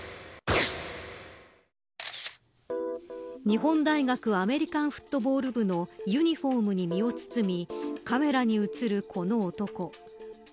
日本大学アメリカンフットボール部のユニホームに身を包みカメラに写るこの男。